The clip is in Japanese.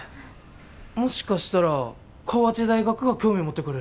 もしかしたら河内大学が興味持ってくれるかも。え？